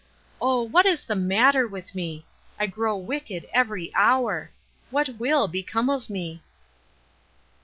Oh, what is the matter with me ! I grow wicked every hour. What will become of me